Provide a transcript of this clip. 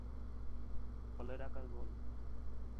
ফলের আকার গোল।